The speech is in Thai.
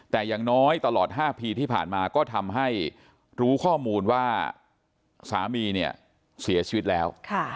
แต่อย่างน้อยตลอด๕ปีที่ผ่านมาก็ทำให้รู้ข้อมูลว่าสามีเนี่ยเสียชีวิตแล้ว